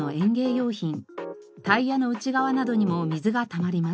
用品タイヤの内側などにも水がたまります。